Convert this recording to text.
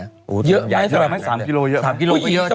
ไม่สำหรับไม่๓กิโลเยอะ